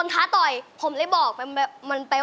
จะอยู่กับเพลงนี้มานานไหม